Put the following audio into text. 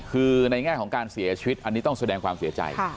คือในแง่ของการเสียชีวิตอันนี้ต้องแสดงความเสียใจ